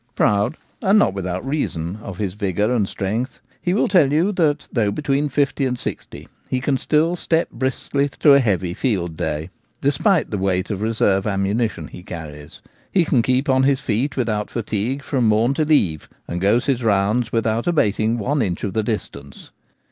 Proud, and not without reason, of his vigour and strength, he will tell you that though between fifty 1 4 T/ie Gamekeeper at Home. and sixty he can still step briskly through a heavy field day, despite the weight of reserve ammunition he carries. He can keep on his feet without fatigue from morn till eve, and goes his rounds without abat ing one inch of the distance.